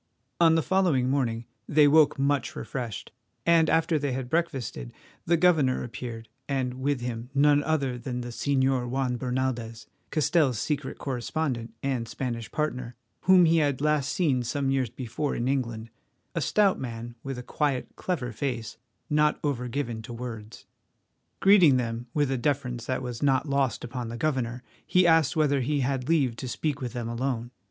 On the following morning they woke much refreshed, and, after they had breakfasted, the governor appeared, and with him none other than the Señor Juan Bernaldez, Castell's secret correspondent and Spanish partner, whom he had last seen some years before in England, a stout man with a quiet, clever face, not over given to words. Greeting them with a deference that was not lost upon the governor, he asked whether he had leave to speak with them alone.